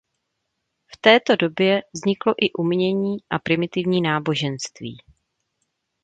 V této době vzniklo i umění a primitivní náboženství.